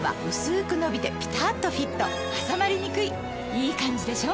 いいカンジでしょ？